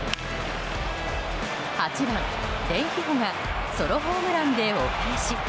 ８番、レンヒフォがソロホームランでお返し。